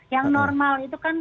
yang normal itu kan